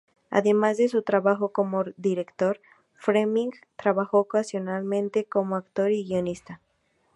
Además de su trabajo como director, Fleming trabajó ocasionalmente como actor y guionista.